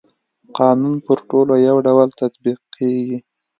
قانون پر ټولو يو ډول تطبيق کيږي.